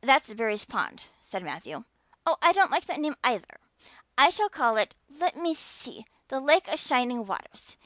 "That's Barry's pond," said Matthew. "Oh, I don't like that name, either. I shall call it let me see the Lake of Shining Waters.